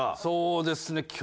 そうですね。